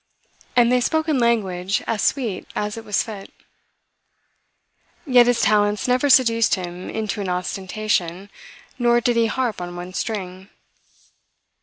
And they spoke in language as sweet as it was fit. Yet his talents never seduced him into an ostentation, nor did he harp on one string.